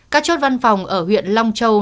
các chốt văn phòng ở huyện long châu